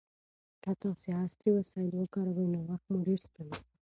که تاسي عصري وسایل وکاروئ نو وخت مو ډېر سپمېږي.